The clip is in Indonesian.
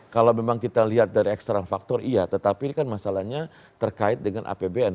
kalau memang kita lihat dari ekstra faktor iya tetapi ini kan masalahnya terkait dengan apbn